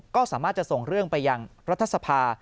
ก็สามารถจะส่งเรื่องไปยังรัฐสภา